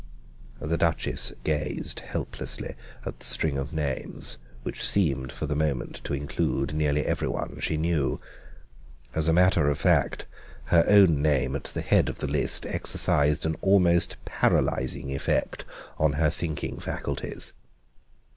The Duchess gazed helplessly at the string of names, which seemed for the moment to include nearly every one she knew. As a matter of fact, her own name at the head of the list exercised an almost paralysing effect on her thinking faculties.